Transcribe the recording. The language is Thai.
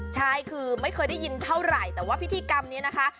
ใช่คือไม่เคยได้ยินเท่าไหร่แต่ว่าพิธีกรรมนี้นะคะ